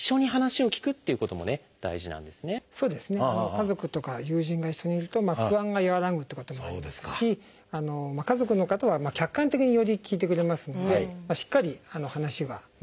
家族とか友人が一緒にいると不安が和らぐということもありますし家族の方は客観的により聞いてくれますのでしっかり話が理解できると。